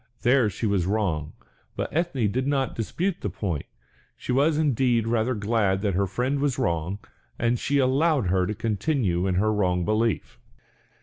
There she was wrong; but Ethne did not dispute the point, she was indeed rather glad that her friend was wrong, and she allowed her to continue in her wrong belief.